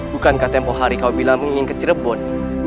bukankah tempo hari kau bila mengingin ke cerbun